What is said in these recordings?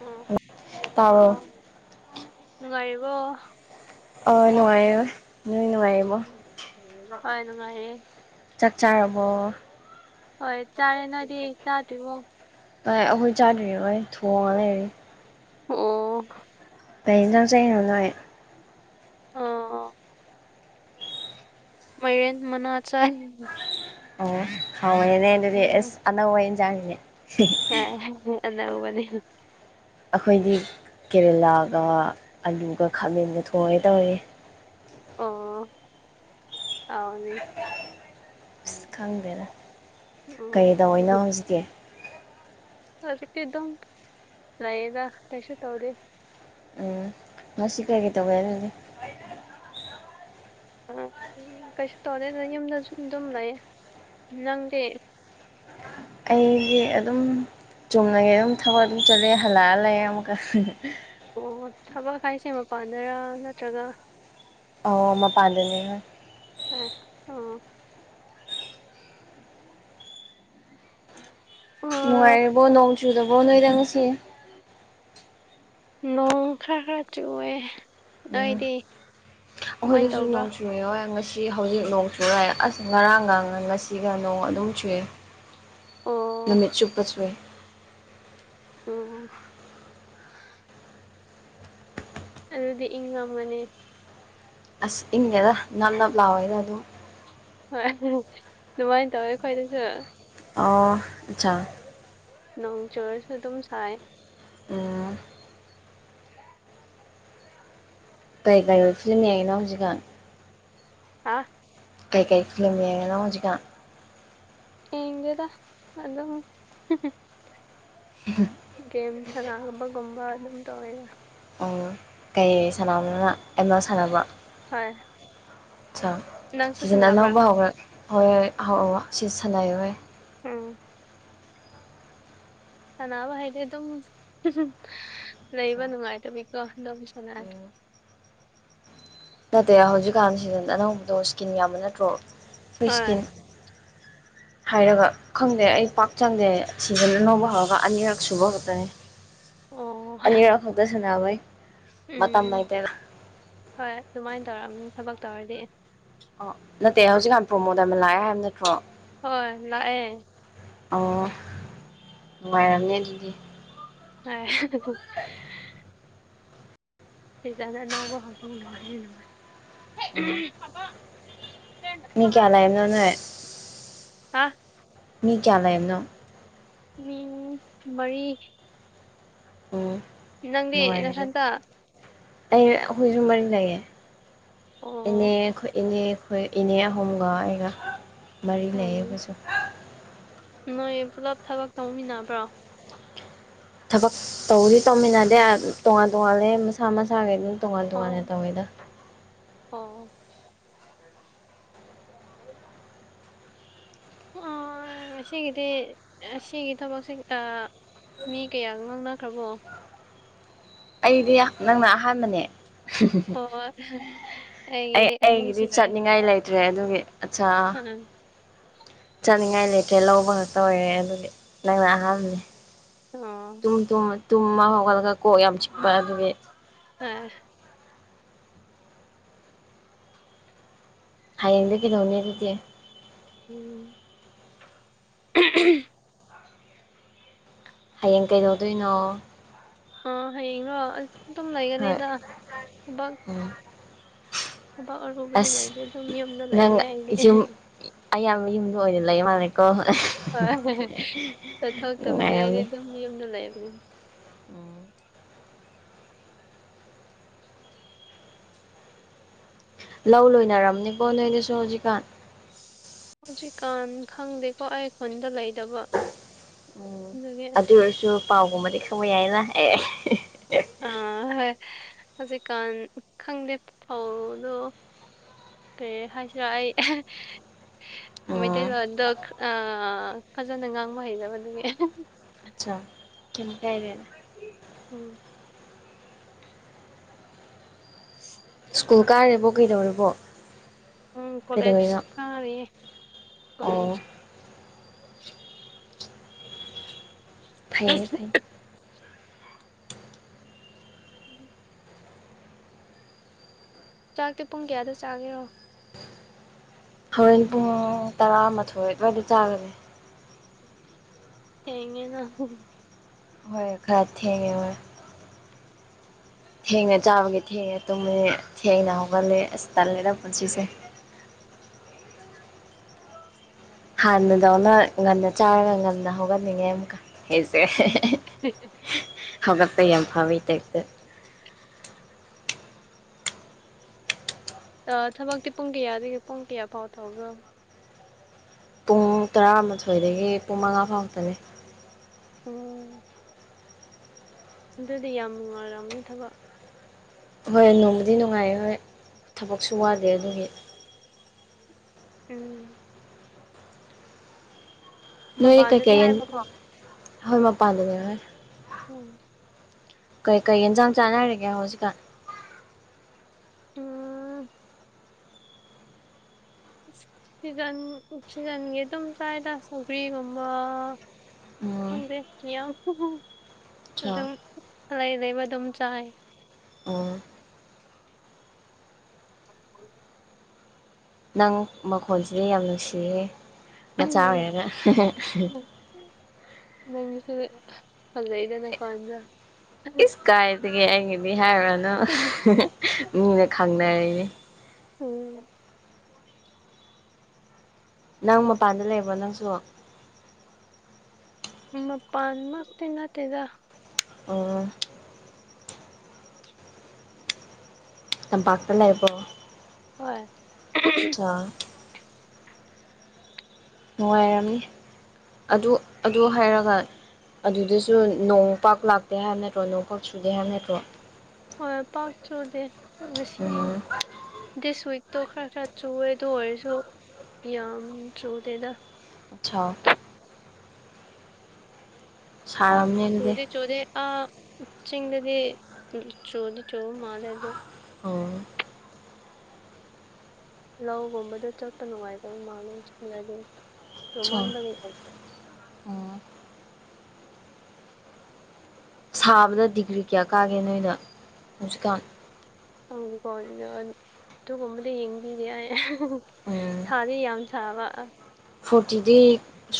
ꯎꯝ ꯇꯥꯕ꯭ꯔꯣ ꯑꯥꯎ ꯅꯨꯡꯉꯥꯏꯔꯤꯕꯣ ꯑ ꯅꯨꯡꯉꯥꯏꯔꯤꯑꯦ ꯅꯣꯏꯗꯤ ꯅꯨꯡꯉꯥꯏꯔꯤꯕꯣ ꯍꯣꯏ ꯅꯨꯡꯉꯥꯏꯔꯤꯑꯦ ꯆꯥꯛ ꯆꯥꯔꯕꯣ ꯍꯣꯏ ꯆꯥꯔꯦ ꯅꯣꯏꯗꯤ ꯆꯥꯗꯔꯤꯕꯣ ꯥꯏ ꯑꯩꯈꯣꯏ ꯆꯥꯗ꯭ꯔꯤ ꯍꯣꯏ ꯊꯣꯡꯉꯒ ꯂꯩꯔꯦ ꯑꯣ ꯀꯩ ꯌꯦꯟꯖꯥꯡ ꯆꯥꯏꯅꯣ ꯅꯣꯏ ꯑꯝ ꯃꯥꯏꯔꯦꯟ ꯃꯅꯥ ꯆꯥꯏ ꯑꯣ ꯍꯥꯎꯋꯦꯅꯦ ꯑꯗꯨꯗꯤ ꯑꯦ ꯎꯝ ꯑꯅꯧꯕꯩꯅ ꯆꯥꯡꯅꯦ [unintelligible] ꯑꯅꯧꯕꯅꯦ ꯑꯩꯈꯣꯏꯗꯤ ꯀꯦꯔꯦꯂꯥꯒ ꯑꯂꯨꯒ ꯈꯥꯃꯦꯟꯒ ꯊꯣꯡꯉꯦ ꯇꯧꯏꯤ ꯑꯣ ꯍꯦꯎꯅꯦ ꯑꯁ ꯈꯪꯗꯦꯗ ꯀꯩ ꯇꯧꯔꯤꯅꯣ [unintelligible] ꯍꯧꯖꯤꯛꯇꯤ ꯍꯧꯖꯤꯛꯇꯤ ꯑꯗꯨꯝ ꯂꯩꯗ ꯀꯩꯁꯨ ꯇꯧꯗꯦ ꯎꯝ ꯉꯁꯤ ꯀꯔꯤ ꯀꯩ ꯇꯧꯋꯦ ꯑꯗꯨꯗꯤ ꯑ ꯎ ꯀꯩꯁꯨ ꯇꯧꯔꯦ ꯑꯗ ꯌꯨꯝꯗꯁꯨ ꯑꯗꯨꯝ ꯂꯩ ꯅꯪꯗꯤ ꯑꯩꯗꯤ ꯑꯗꯨꯝ ꯆꯨꯝꯅꯒꯤ ꯑꯗꯨꯝ ꯊꯕꯛ ꯑꯗꯨꯝ ꯆꯠꯂꯦ ꯍꯜꯂꯛꯑ ꯂꯩ ꯑꯃꯨꯛꯀ ꯑꯣ ꯊꯕꯛ ꯍꯥꯏꯁꯦ ꯃꯄꯥꯟꯗꯔꯥ ꯅꯠꯇ꯭ꯔꯒ ꯑ ꯃꯄꯥꯟꯗꯅꯦ [unintelligible] ꯑꯣ ꯅꯨꯡꯉꯥꯏꯔꯤꯕꯣ ꯅꯣꯡ ꯆꯨꯗꯕꯣ ꯅꯣꯏꯗ ꯉꯥꯁꯤ ꯅꯣꯡ ꯈꯔ ꯈꯔ ꯆꯨꯌꯦ ꯎꯝ ꯀꯃꯥꯏꯅ ꯑꯩꯈꯣꯏꯗꯁꯨ ꯇꯧꯕ꯭ꯔꯥ ꯅꯣꯡ ꯆꯨꯏ ꯉꯁꯤ ꯁꯤ ꯍꯧꯖꯤꯛ ꯅꯣꯡ ꯆꯨꯔꯑ ꯑꯁ ꯉꯔꯥꯡꯒꯥꯡꯅ ꯉꯁꯤꯒ ꯅꯣꯡ ꯑꯗꯨꯝ ꯆꯨꯏ ꯑꯣ ꯅꯨꯃꯤꯠ ꯆꯨꯞꯄ ꯆꯨꯏꯌꯦ ꯑꯝ ꯑꯗꯨꯗꯤ ꯏꯪ ꯉꯝꯒꯅꯤ ꯑꯁ ꯏꯪꯉꯦꯗ ꯅꯞ ꯅꯞ ꯂꯥꯎꯑꯣꯋꯦꯗ ꯑꯗꯨꯝ ꯍꯣꯏ ꯑꯗꯨꯃꯥꯏꯅ ꯇꯧꯋꯦ ꯑꯩꯈꯣꯏꯗꯁꯨ ꯑꯣ ꯑꯆꯥꯥ ꯅꯣꯡ ꯆꯨꯔꯁꯨ ꯑꯗꯨꯝ ꯁꯥꯏ ꯑꯝ ꯀꯔꯤ ꯀꯔꯤ ꯐꯤꯂꯝ ꯌꯦꯏꯅꯣ ꯍꯧꯖꯤꯒꯥꯟ ꯍꯥꯥ ꯀꯥꯏ ꯀꯥꯏ ꯐꯤꯂꯝꯃꯤ ꯌꯡꯉꯤꯅꯣ ꯍꯧꯖꯤꯛꯀꯥꯟ ꯌꯦꯡꯗꯦꯗ ꯑꯗꯨꯝ ꯎꯝ ꯒꯦꯝ ꯁꯥꯟꯅꯥꯒꯅꯕꯒꯨꯝꯕ ꯑꯗꯨꯝ ꯇꯧꯋꯦꯒ ꯀꯩ ꯁꯥꯟꯅꯕꯅꯤꯅ ꯑꯦꯝ ꯑꯦꯜ ꯁꯥꯟꯅꯕ ꯍꯣꯏ ꯁꯥ ꯅꯪꯁꯨ [unintelligible] ꯁꯥꯟꯅꯕ꯭ꯔꯥ ꯎꯝ ꯁꯥꯟꯅꯕ ꯍꯥꯏꯗꯤ ꯑꯗꯨꯝ ꯂꯩꯕ ꯅꯨꯡꯉꯥꯏꯇꯕꯤꯀꯣ ꯑꯗꯨꯝ ꯁꯥꯟꯅ ꯎꯝ ꯅꯠꯇꯦ ꯍꯧꯖꯤꯛꯀꯥꯟ ꯁꯤꯖꯟ ꯑꯅꯧꯕꯗꯣ ꯁ꯭ꯀꯤꯝ ꯌꯥꯝꯕ ꯅꯠꯇ꯭ꯔꯣ ꯍꯣꯏ ꯃꯤꯁꯀꯤꯟ ꯍꯥꯏꯔꯒ ꯈꯪꯗꯦ ꯑꯩ ꯄꯥꯛ ꯆꯪꯗꯦ ꯁꯤꯖꯟ ꯑꯥꯅꯧꯕ ꯍꯧꯔꯒ ꯑꯅꯤꯔꯛ ꯁꯨꯕ ꯈꯛꯇꯅꯤ ꯑꯣ ꯑꯅꯤꯔꯛ ꯈꯛꯇ ꯁꯟꯅꯕꯩ ꯃꯇꯝ ꯎꯝ ꯂꯩꯥꯏꯇ ꯍꯣꯏ ꯑꯗꯨꯃꯥꯏꯅ ꯇꯧꯔꯛꯑꯝꯅꯤ ꯊꯕꯛ ꯇꯧꯔꯗꯤ ꯑꯣ ꯅꯠꯇꯦ ꯍꯧꯖꯤꯛꯀꯥꯟ ꯄ꯭ꯔꯣꯃꯣ ꯗꯥꯏꯃꯟ ꯂꯥꯛꯑꯦ ꯍꯥꯏꯕ ꯅꯠꯇ꯭ꯔꯣ ꯍꯣꯏ ꯂꯥꯛꯑꯦ ꯑꯣ ꯅꯨꯡꯉꯥꯏꯔꯝꯅꯤ ꯑꯗꯨꯗꯤ [unintelligible] [unintelligible] ꯎꯝ ꯃꯤ [unintelligible] [unintelligible] ꯍꯥꯥ ꯃꯤ ꯀꯌꯥ ꯂꯩꯕꯅꯣ ꯃꯤ ꯃꯔꯤ ꯎꯝ ꯅꯪꯗꯤ ꯅꯨꯡꯉꯥꯏꯔꯗ ꯅꯊꯟꯇ ꯑꯩ ꯑꯩꯈꯣꯏꯁꯨ ꯃꯔꯤ ꯂꯩꯑꯦ ꯏꯅꯦ ꯑꯣ ꯑꯩꯈꯣꯏ ꯏꯅꯦꯈꯣꯏ ꯏꯅꯦ ꯑꯍꯨꯝꯒ ꯑꯩꯒ ꯃꯔꯤ ꯎꯝ ꯂꯩꯌꯦꯈꯣꯏꯁꯨ ꯅꯣꯏ ꯄꯨꯂꯞ ꯊꯕꯛ ꯇꯧꯃꯤꯟꯅꯕ꯭ꯔꯣ ꯊꯕꯛ ꯇꯧꯗꯤ ꯇꯧꯃꯤꯟꯅꯗꯦ ꯇꯣꯉꯥꯟ ꯇꯣꯉꯥꯟꯂꯦ ꯃꯁꯥ ꯃꯁꯥꯈ ꯑꯗꯨꯝ ꯇꯣꯉꯥꯟ ꯑꯣ ꯇꯣꯉꯥꯟꯅ ꯇꯧꯋꯦꯗ ꯑꯣ ꯎ ꯎ ꯎꯝ ꯎꯝ ꯉꯒꯤꯗꯤ ꯁꯤꯒꯤ ꯊꯕꯛꯁꯦ ꯃꯤ ꯀꯌꯥꯒ ꯉꯥꯡꯅꯈ꯭ꯔꯕꯣ ꯑꯩꯗꯤ ꯅꯪꯅ ꯑꯍꯥꯟꯕꯅꯦ ꯍꯣꯏ ꯑꯩ ꯑꯩꯒꯤꯗꯤ ꯑꯅꯤ ꯑꯩꯒꯤꯗꯤ ꯁꯨꯈ꯭ꯔꯦ ꯆꯠꯅꯤꯡꯉꯥꯏ ꯂꯩꯇ꯭ꯔꯦ ꯑꯗꯨꯒꯤ ꯑꯆꯥ ꯑꯥ ꯆꯥꯅꯤꯡꯉꯥꯏ ꯂꯩꯦꯇ꯭ꯔꯦ ꯂꯧꯕ ꯉ ꯇ ꯑꯣꯏꯔꯦ ꯑꯗꯨꯗꯤ ꯅꯪꯅ ꯑꯍꯥꯟꯕꯅꯦ ꯑꯣ ꯇꯨꯝꯨꯝ ꯇꯨꯝꯃ ꯍꯧꯥꯎꯒꯠꯂꯒ ꯀꯣꯛ ꯌꯥꯝ ꯆꯤꯛꯄ ꯑꯗꯨꯒꯤ [unintelligible] ꯍꯌꯦꯡꯗꯒꯤ ꯀꯩꯗꯧꯅꯤ ꯑꯗꯨꯗꯤ ꯎꯝ [unintelligible] ꯍꯌꯦꯡ ꯀꯩꯗꯧꯗꯣꯏꯅꯣ ꯑꯥ ꯍꯌꯦꯡꯔꯣ ꯑ ꯑꯗꯨꯝ ꯍꯣꯏ ꯂꯩꯒꯅꯤꯗ ꯊꯕꯛ ꯎꯝ ꯊꯕꯛ ꯑꯔꯨꯕꯗꯤ ꯑꯁ ꯂꯩꯇꯦ ꯑꯗꯨꯝ ꯌꯨꯝꯗ ꯅꯪ ꯂꯩꯕꯅꯦ ꯑꯩꯗꯤ ꯌꯨꯝ ꯑꯌꯥꯝꯕ ꯌꯨꯝꯗꯣ ꯑꯣꯏꯅ ꯂꯩ ꯃꯥꯜꯂꯦꯀꯣ ꯍꯣꯏꯣ ꯆꯠꯊꯣꯛꯇꯕꯅꯤ ꯑꯩꯗꯤ ꯅꯨꯡꯉꯥꯏꯔꯝꯅꯤ ꯑꯗꯨꯝ ꯌꯨꯝꯗ ꯂꯩꯕꯅꯤ [unintelligible] ꯂꯧ ꯂꯣꯏꯅꯔꯝꯅꯦꯕꯣ ꯅꯣꯏꯅꯁꯨ ꯍꯧꯖꯤꯛꯀꯥꯟ ꯍꯧꯖꯤꯛꯀꯥꯟ ꯈꯪꯗꯦꯀꯣ ꯑꯩꯈꯣꯟꯗ ꯂꯩꯦ ꯎꯝ ꯑꯗꯨ ꯑꯣꯏꯔꯁꯨ ꯄꯥꯎꯒꯨꯝꯕꯗꯤ ꯈꯪꯕ ꯌꯥꯏꯅ ꯑꯦ ꯑꯥ ꯍꯣꯏ ꯍꯧꯖꯤꯛꯀꯥꯟ ꯈꯪꯗꯦ ꯐꯥꯎꯗꯣ ꯀ ꯍꯥꯏꯁꯔ ꯑꯩ ꯎꯝ ꯃꯩꯇꯩꯗꯣ ꯑꯗꯣ ꯐꯖꯅ ꯉꯥꯡꯕ ꯍꯩꯇꯕꯗꯨꯒꯤ ꯑꯆꯥ ꯀꯝ ꯀꯥꯏꯔꯅꯦ ꯎꯝ ꯁ꯭ꯀꯨꯜ ꯀꯥꯔꯦꯕꯣ ꯀꯩꯗꯧꯔꯤꯕꯕꯣ ꯎꯝ ꯀꯣꯂꯦꯖꯇꯔꯦ ꯑꯣ ꯀꯂꯦꯖ ꯐꯩꯌꯦ ꯐꯩ ꯎꯝ ꯆꯥꯛꯇꯤ ꯄꯨꯡ ꯀꯌꯥꯗ ꯆꯥꯒꯦꯔꯣ ꯍꯣꯔꯦꯟ ꯄꯨꯡ ꯇꯔꯥꯃꯥꯊꯣꯏ ꯑꯗꯨꯋꯥꯏꯗ ꯆꯥꯒꯅꯤ [unintelligible] ꯍꯣꯢ ꯈꯔ ꯊꯦꯡꯉꯦ ꯍꯣꯏ ꯊꯦꯡꯅ ꯆꯥꯕꯒꯤ ꯊꯦꯡꯉꯦ ꯇꯨꯝꯅꯦ ꯊꯦꯡꯅ ꯍꯧꯒꯜꯂꯦ ꯑꯁ ꯇꯜꯂꯦ ꯄꯨꯟꯁꯤꯁꯦ ꯍꯥꯟꯅꯗꯧꯅ ꯉꯟꯅ ꯆꯥꯔꯒ ꯉꯟꯅ ꯍꯧꯒꯠꯅꯤꯡꯉꯦ ꯑꯃꯨꯛꯀ ꯑꯩꯁꯦ [unintelligible] ꯍꯧꯒꯠꯄ ꯌꯥꯝ ꯐꯩ ꯇꯢꯞꯇ ꯊꯕꯛꯇꯤ ꯄꯨꯡ ꯀꯌꯥꯗꯒꯤ ꯄꯨꯡ ꯀꯌꯥ ꯐꯥꯎ ꯇꯧꯕꯣ ꯄꯨꯡ ꯇꯔꯥꯃꯥꯊꯣꯏꯗꯒꯤ ꯄꯨꯡ ꯃꯉꯥ ꯐꯥꯎꯇꯅꯦ ꯎꯝ ꯑꯗꯨꯗꯤ ꯌꯥꯝ ꯅꯨꯡꯉꯥꯏꯔꯝꯅꯤ ꯊꯕꯛ ꯍꯣꯏ ꯅꯨꯡꯗꯤ ꯅꯨꯡꯉꯥꯏ ꯍꯣꯏ ꯊꯕꯛꯁꯨ ꯋꯥꯗꯦ ꯑꯗꯨꯒꯤ ꯎꯝ ꯅꯣꯏ ꯃꯄꯥꯟꯗꯅꯦ ꯀꯩꯀꯩ ꯌꯦ ꯍꯥꯏꯕꯀꯣ ꯍꯣꯏ ꯃꯄꯥꯟꯗꯅꯦ ꯍꯣꯏ ꯎꯝ ꯀꯩ ꯀꯩ ꯌꯦꯟꯁꯥꯡ ꯆꯥꯅꯔꯤꯒꯦ ꯍꯧꯖꯤꯛꯀꯥꯟ [unintelligible] ꯁꯤꯖꯟ ꯁꯤꯖꯟꯒꯤ ꯑꯗꯨꯝ ꯆꯥꯏꯗ ꯁꯧꯒ꯭ꯔꯤꯒꯨꯝꯕ ꯎꯝ ꯈꯪꯗꯦ ꯃꯤꯌꯥꯝ ꯑꯆꯥ ꯑꯗꯨꯝ ꯑꯔꯩ ꯑꯔꯩꯕ ꯑꯗꯨꯝ ꯆꯥꯏ ꯑꯣ [unintelligible] ꯅꯪ ꯃꯈꯣꯜꯁꯤꯗꯤ ꯌꯥꯝ ꯅꯨꯡꯁꯤꯌꯦ ꯃꯆꯥ ꯑꯣꯏꯔꯒ ꯅꯪꯒꯤꯁꯨ ꯐꯖꯩ ꯏꯁ ꯀꯥꯏꯗꯒꯤ ꯑꯩꯒꯤꯗꯤ ꯍꯥꯏꯔꯨꯔꯅꯨ ꯃꯤꯅ ꯈꯪꯅꯔꯤꯅꯤ ꯎꯝ ꯅꯪ ꯃꯄꯥꯟꯗ ꯂꯩꯕꯔꯣ ꯅꯪꯁꯨ ꯃꯄꯥꯟꯃꯛꯇꯤ ꯅꯠꯇꯦꯗ ꯑꯣ ꯇꯝꯄꯥꯛꯇ ꯂꯩꯕ꯭ꯔꯣ ꯍꯣꯏ [unintelligible] ꯅꯨꯡꯉꯥꯏꯔꯝꯅꯤ ꯑꯗꯨ ꯑꯗꯨ ꯍꯥꯏꯔꯒ ꯑꯗꯨꯗꯁꯨ ꯅꯣꯡꯄꯥꯛꯥꯛ ꯂꯥꯛꯇꯦ ꯍꯥꯏꯕ ꯅꯠꯇ꯭ꯔꯣ ꯅꯣꯡꯄꯥꯛ ꯁꯨꯗꯦ ꯍꯥꯏꯕ ꯅꯠꯇ꯭ꯔꯣ ꯍꯣꯏ ꯄꯥꯛ ꯆꯨꯗꯦ ꯉꯁꯤ ꯎꯝ ꯗꯤꯁ ꯋꯤꯛꯇꯣ ꯈꯔ ꯈꯔ ꯆꯨꯋꯦ ꯑꯗꯨ ꯑꯣꯏꯔꯁꯨ ꯌꯥꯝ ꯆꯨꯗꯦꯗ ꯑꯆꯥ ꯄꯥꯛ ꯁꯥꯔꯝꯅꯤ ꯑꯗꯨꯗꯤ ꯆꯨꯗꯦ ꯆꯨꯗꯦ ꯑ ꯆꯤꯡꯗꯗꯤ ꯆꯣꯗꯤ ꯆꯣꯕ ꯃꯥꯟꯂꯦ ꯑꯗꯣ ꯑꯣ ꯂꯧꯒꯨꯝꯕꯗ ꯆꯠꯄ ꯅꯨꯡꯉꯥꯏꯇꯕꯩ ꯃꯜꯂꯦ ꯆꯤꯡꯗꯗꯤ ꯑꯠꯁꯥ ꯆꯨꯃꯥꯟꯕꯩ ꯑꯣ ꯁꯥꯕꯗ ꯗꯤꯒ꯭ꯔꯤ ꯀꯌꯥ ꯀꯥꯒꯦ ꯅꯣꯏꯗ ꯍꯧꯖꯤꯛꯀꯥꯟ ꯍꯪꯀꯣ ꯑꯗꯨꯒꯨꯝꯕꯗꯤ ꯌꯦꯡꯕꯤꯔꯦ ꯎꯝ ꯁꯥꯗꯤ ꯌꯥꯝ ꯁꯕ ꯑ ꯐꯣꯔꯇꯤꯗꯤ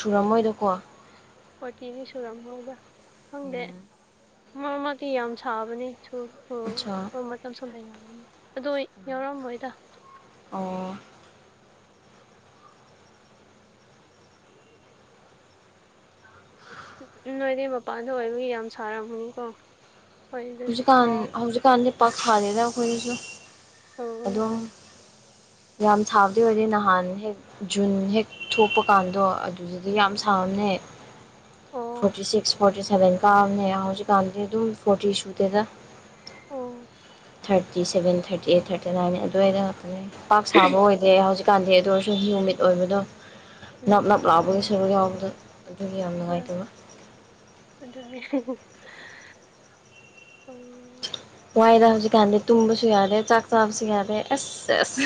ꯁꯨꯔꯝꯃꯣꯏꯗꯀꯣ ꯐꯣꯔꯇꯤꯒꯤ ꯁꯨꯔꯝꯃꯣꯢꯗ ꯈꯪꯗꯦ ꯎꯝ ꯃꯔꯛ ꯃꯔꯛꯇꯤ ꯌꯥꯝ ꯁꯥꯕꯅꯦ ꯁꯨꯔ ꯑꯣ ꯑꯠꯆꯥ ꯑꯣ ꯃꯇꯝ ꯁꯨꯝ ꯂꯩꯔꯅꯤ ꯑꯗꯣ ꯌꯥꯎꯔꯝꯃꯣꯏꯗ ꯑꯣ [unintelligible] ꯅꯣꯏꯗꯤꯃꯄꯥꯟꯗ ꯑꯣꯏꯕꯒꯤ ꯌꯥꯝ ꯁꯥꯔꯝꯃꯅꯤꯀꯣ ꯍꯧꯖꯤꯛꯀꯥꯟ ꯍꯧꯖꯤꯛꯀꯥꯟꯗꯤ ꯄꯥꯛꯁꯗꯦꯗ ꯑꯩꯈꯣꯏꯒꯤꯁꯨ ꯑꯣ ꯑꯝ ꯌꯥꯝ ꯁꯥꯕꯗꯤ ꯑꯣꯏꯔꯦ ꯅꯍꯥꯟ ꯍꯦꯛ ꯖꯨꯟ ꯍꯦꯛ ꯊꯣꯛꯄ ꯀꯥꯟꯗꯣ ꯑꯗꯨꯗꯨꯗ ꯌꯥꯝ ꯁꯅ ꯑꯣ ꯐꯣꯔꯇꯤ ꯁꯤꯛꯁ ꯐꯣꯔꯇꯤ ꯁꯦꯚꯦꯟ ꯀꯥꯝꯅꯦ ꯍꯧꯖꯤꯀꯥꯥꯟꯗ ꯇ ꯐꯣꯔꯇꯤꯁꯨꯨꯗꯦꯗ ꯑꯣ thirty seven thirty eight thirty nine ꯑꯗꯨꯋꯥꯏꯗ ꯉꯥꯛꯇꯅꯦ ꯄꯥꯛ ꯁꯥꯕ ꯑꯣꯏ ꯍꯧꯖꯤꯛꯀꯥꯟꯗꯤ ꯑꯗꯨ ꯑꯣꯏꯔꯁꯨ ꯌꯨꯃꯤꯠ ꯑꯣꯏꯕꯗꯣ ꯅꯞ ꯎꯝ ꯅꯞ ꯂꯥꯎꯕꯒꯤ ꯁꯔꯨꯛ ꯌꯥꯎꯕꯗꯣ ꯑꯗꯨꯗꯤ ꯌꯥꯝ ꯅꯨꯡꯉꯥꯏꯇꯕ ꯑꯗꯨꯅꯤ ꯋꯥꯏꯗ ꯍꯧꯖꯤꯛꯀꯥꯟꯗꯤ ꯇꯨꯝꯕꯁꯨ ꯌꯥꯔꯦ ꯆꯥꯛ ꯆꯥꯕꯁꯨ ꯌꯥꯔꯦ ꯑꯁ ꯁꯦꯁ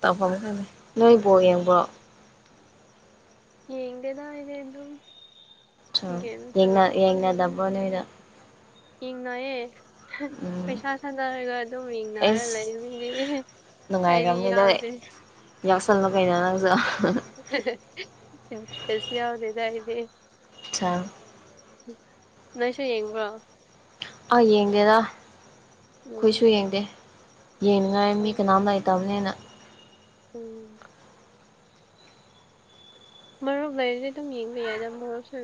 ꯇꯧꯐꯝ ꯈꯅꯤ ꯅꯣꯏꯕꯨꯣ ꯌꯦꯡꯕ꯭ꯔꯣ ꯌꯦꯡꯗꯦꯗ ꯑꯩꯗꯤ ꯑꯗꯨꯝ ꯒꯦꯝ ꯁꯥꯟꯅꯕ ꯈꯪꯗꯦ ꯑꯗꯨꯝ ꯌꯦꯡꯅꯗꯕ꯭ꯔꯣ ꯇꯧꯔ ꯂꯩ ꯅꯣꯏꯗ ꯌꯦꯡꯅꯌꯦ ꯎꯝ ꯄꯩꯁꯥ ꯊꯥꯗꯔꯒ ꯑꯗꯨꯝ ꯌꯦꯡꯅꯔ ꯑꯩꯁ ꯂꯩꯃꯤꯅꯦ ꯑꯩꯗꯤ ꯌꯥꯎꯗꯦ ꯌꯥꯎꯁꯜꯂ ꯀꯥꯏꯩꯅ ꯅꯪꯁꯨ ꯐꯁ ꯌꯥꯎꯗꯗ ꯏꯗꯤ ꯑ ꯅꯣꯏꯁꯨ ꯌꯦꯡꯕ꯭ꯔꯣ ꯑꯥ ꯌꯦꯡꯒꯦꯗ ꯑꯩꯈꯣꯏꯁꯨ ꯎꯝ ꯌꯦꯡꯗꯦ ꯌꯦꯅꯤꯡ ꯉꯥꯏꯃꯤꯅꯥ ꯂꯥꯏ ꯇꯕꯦꯅ ꯎꯝ ꯃꯔꯨꯞ ꯂꯩꯔꯗꯤ ꯑꯗꯨꯝ ꯌꯦꯡꯕ ꯌꯥꯏꯗ ꯃꯔꯨꯞꯁꯨ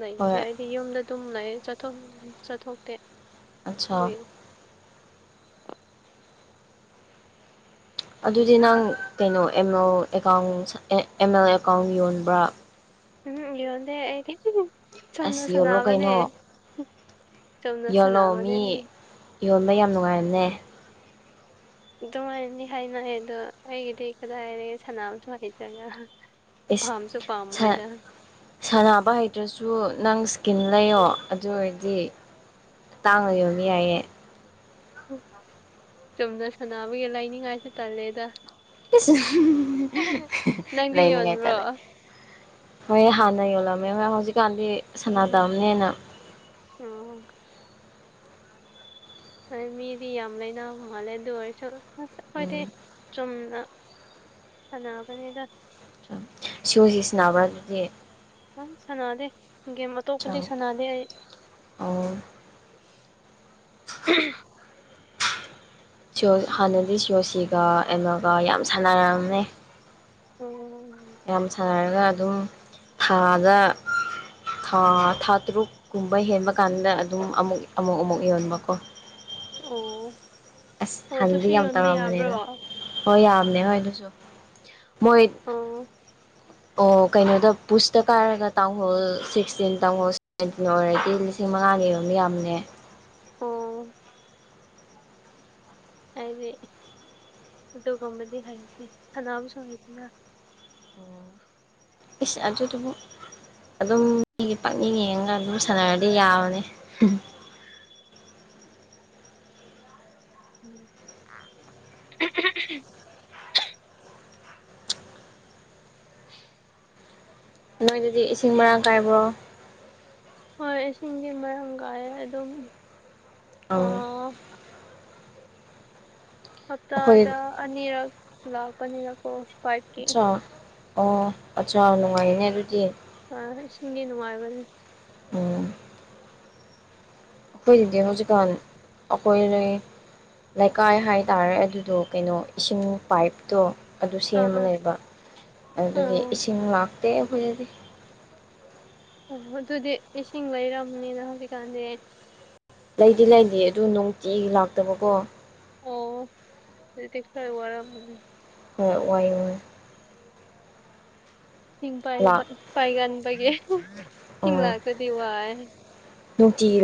ꯂꯩꯇꯦ ꯍꯣꯏ ꯍꯥꯏ ꯌꯨꯝꯗ ꯑꯗꯨꯝ ꯂꯩ ꯆꯠꯊꯣꯛ ꯆꯠꯊꯣꯛꯇꯦ ꯑꯆꯥꯥ ꯑꯗꯨꯗꯤ ꯅꯪ ꯀꯩꯅꯣ M L account M L account ꯌꯣꯟꯕ꯭ꯔꯥ ꯎꯝ ꯌꯣꯟꯗꯦ ꯆꯣꯝꯅ ꯑꯁ ꯌꯣꯜꯂꯣ ꯀꯩꯅꯣ ꯁꯥꯟꯅꯕꯅꯦ ꯆꯨꯝꯝꯅ ꯁꯥꯟꯅꯕꯅꯦ ꯌꯣꯡꯕ ꯌꯥꯝ ꯅꯨꯡꯉꯥꯏꯔꯒ꯭ꯔꯦ ꯑꯗꯨꯉꯥꯏꯅꯅꯤ ꯍꯥꯏꯅ ꯑꯗꯣ ꯑꯩꯒꯤꯗꯤ ꯀꯗꯥꯏꯗ ꯁꯅꯥꯝꯇ ꯍꯩꯇ꯭ꯔꯒ ꯄꯥꯝꯁꯨ ꯏꯁ ꯄꯥꯝꯃꯣꯏꯗ ꯁꯥꯟꯅꯕ ꯍꯩꯇ꯭ꯔꯁꯨ ꯅꯪ ꯏꯁ꯭ꯀꯤꯟ ꯂꯩꯌꯣ ꯑꯗꯨ ꯑꯣꯏꯔꯗꯤ ꯇꯥꯡꯉ ꯌꯣꯕ ꯌꯥꯏꯌꯦ ꯆꯨꯝꯅ ꯁꯥꯟꯅꯕꯒꯤ ꯂꯩꯅꯤꯡꯉꯥꯏꯁꯨ ꯇꯜꯂꯦꯗ ꯅꯪꯗꯤ ꯌꯣꯟꯕ꯭ꯔꯣ ꯂꯩꯅꯤꯡꯉꯥꯏꯇꯥꯔꯦ ꯍꯣꯏ ꯍꯥꯟꯅ ꯌꯣꯜꯂꯝꯃꯦ ꯍꯣꯏ ꯍꯧꯖꯤꯛꯀꯥꯟꯗꯤ ꯁꯅꯥ ꯎꯝ ꯇꯝꯅꯦꯅ ꯎꯝ ꯍ ꯃꯤꯗꯤ ꯌꯥꯝ ꯂꯩꯥꯏꯅꯥ ꯍꯣꯡ ꯃꯥꯜꯂꯦ ꯑꯗꯨ ꯑꯣꯏꯔꯁꯨ ꯑꯩꯣꯏꯗꯤ ꯎꯝ ꯆꯨꯝꯅ ꯁꯥꯟꯅꯕꯅꯤꯗ ꯁꯤꯎꯁꯤ ꯁꯤꯕ꯭ꯔꯥ ꯑꯗꯨꯗꯤ ꯑꯪ ꯁꯥꯟꯅꯗꯦ ꯒꯦꯝ ꯑꯇꯣꯞꯄꯗꯤ ꯆꯪ ꯁꯥꯟꯅꯗꯦ ꯑꯩ [inaudible] ꯑꯣ ꯁꯤ ꯍꯥꯟꯅꯗꯤ ꯁꯤꯌꯣꯁꯤꯒ ꯑꯃꯒ ꯌꯥꯝ ꯁꯥꯟꯅꯔꯝꯃꯦ ꯑꯣꯝ ꯌꯥꯝ ꯁꯥꯟꯅꯔꯒ ꯑꯗꯨꯝ ꯊꯥꯗ ꯥ ꯊꯥ ꯇꯔꯨꯛꯀꯨꯝꯕ ꯍꯦꯟꯕ ꯀꯥꯟꯗ ꯑꯗꯨꯝ ꯑꯃꯨꯛ ꯑꯃꯨꯛ ꯑꯃꯨꯛ ꯌꯣꯟꯕꯀꯣ ꯑꯣ ꯑ ꯑꯣ ꯍꯥꯟꯗꯤ ꯑꯗꯨꯁꯨ ꯌꯥꯝ ꯌꯣꯟꯕ ꯌꯥꯕ꯭ꯔꯣ ꯇꯧꯔꯕꯅꯦꯗ ꯍꯣꯏ ꯌꯥꯝꯅꯦ ꯍꯣꯏ ꯑꯗꯨꯁꯨ ꯃꯣꯏ ꯑꯣ ꯑꯣ ꯀꯩꯅꯣꯗ ꯄꯨꯁꯇ ꯀꯥꯏꯔꯒ ꯇꯥꯡꯍꯣꯜ ꯁꯤꯛꯁꯇꯤꯟ ꯇꯥꯡꯍꯣꯜ ꯑꯗꯨꯅ ꯑꯣꯏꯔꯗꯤ ꯂꯤꯁꯤꯡ ꯃꯉꯥꯅꯤꯔꯣꯝ ꯌꯥꯝꯃꯦ ꯑꯣ ꯍꯥꯏꯗꯤ ꯑꯗꯨꯒꯨꯝꯕꯗꯤ ꯍꯩꯇꯦ ꯁꯅꯥꯕꯨꯁꯨ ꯍꯩꯇꯦꯗ ꯏꯁ ꯑꯗꯨꯗꯨꯕꯨ ꯑꯗꯨꯝ ꯃꯤꯒꯤ ꯄꯪꯌꯦꯡ ꯌꯦꯡꯉꯒ ꯑꯗꯨꯝ ꯁꯥꯟꯅꯔꯗꯤ ꯌꯥꯕꯅꯤ ꯍ ꯍ ꯂꯧꯁꯤꯟꯕ ꯉꯝꯗꯕ ꯅꯣꯏꯗꯗꯤ ꯏꯁꯤꯡ ꯃꯔꯥꯡ ꯀꯥꯏꯕ꯭ꯔꯣ ꯍꯣꯏ ꯏꯁꯤꯡꯗꯤ ꯃꯔꯥꯡ ꯀꯥꯏꯌꯦ ꯑꯗꯨꯝ ꯑꯪ ꯑꯥ ꯑꯩꯈꯣꯏ ꯍꯞꯇꯥꯗ ꯑꯅꯤꯔꯛ ꯂꯥꯛꯄꯅꯤꯅꯀꯣ ꯄꯥꯏꯚ ꯑꯠꯆꯥꯥ ꯑꯣ ꯑꯠꯆꯥꯥ ꯅꯨꯡꯉꯥꯏꯅꯦ ꯑꯗꯨꯗꯤ ꯇꯥꯔꯒ ꯏꯁꯤꯡꯗꯤ ꯅꯨꯡꯉꯥꯏꯕꯅꯦ ꯎꯝ ꯑꯩꯈꯣꯏꯒꯤꯗꯤ ꯍꯧꯖꯤꯛꯀꯥꯟ ꯑꯈꯣꯏꯔꯩ ꯂꯩꯀꯥꯏ ꯍꯥꯏꯇꯥꯔꯦ ꯑꯗꯨꯗꯣ ꯀꯩꯅꯣ ꯏꯁꯤꯡ ꯄꯥꯏꯞꯇꯣ ꯑꯗꯨ ꯑꯥ ꯁꯦꯝꯃ ꯑꯥ ꯂꯩꯕ ꯑꯗꯨꯗꯨꯒꯤ ꯑꯣ ꯏꯁꯤꯡ ꯂꯥꯛꯇꯦ ꯑꯈꯣꯏꯗꯗꯤ ꯑꯣ ꯑꯗꯨꯗꯤ ꯏꯁꯤꯡ ꯂꯩꯔꯝꯅꯤꯅ ꯍꯧꯖꯤꯛꯀꯥꯟꯗꯤ ꯂꯩꯗꯤ ꯂꯩꯗꯤꯌꯦ ꯑꯗꯨ ꯅꯨꯡꯇꯤꯒꯤ ꯂꯥꯛꯇꯕꯀꯣ ꯑꯣ ꯑꯗꯨꯗꯤ ꯈꯔ ꯋꯥꯔꯝꯃꯅꯤ ꯍꯣꯏ ꯋꯥꯏ ꯋꯥꯏ ꯏꯁꯤꯡ ꯄꯥꯏꯕ ꯂꯥꯛ ꯄꯥꯏꯒꯟꯕꯒꯤ ꯏꯍꯤ ꯏꯁꯤꯡ ꯂꯥꯛꯇ꯭ꯔꯗꯤ ꯋꯥꯏ ꯅꯨꯡꯇꯤꯒꯤꯔꯣ